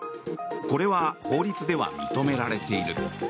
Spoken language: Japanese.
これは法律では認められている。